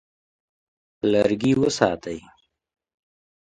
لرګي وساتئ.